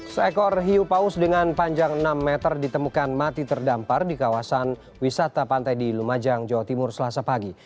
seekor hiu paus dengan panjang enam meter ditemukan mati terdampar di kawasan wisata pantai di lumajang jawa timur selasa pagi